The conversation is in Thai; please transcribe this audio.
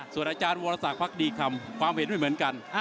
ส่วนอาจารย์วรสักพักดีคำความเห็นไม่เหมือนกัน